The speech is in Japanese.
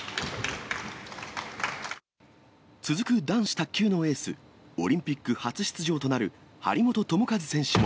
続く男子卓球のエース、オリンピック初出場となる張本智和選手も。